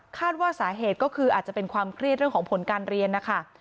ว่าสาเหตุก็คืออาจจะเป็นความเครียดเรื่องของผลการเรียนนะคะ